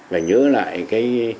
và nhớ lại cái